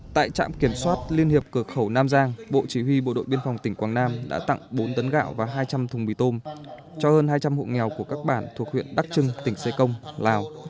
tại trạm kiểm soát liên hiệp cửa khẩu nam giang bộ chỉ huy bộ đội biên phòng tỉnh quảng nam đã tặng bốn tấn gạo và hai trăm linh thùng mì tôm cho hơn hai trăm linh hộ nghèo của các bản thuộc huyện đắc trưng tỉnh xê công lào